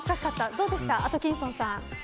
どうでした、アトキンソンさん。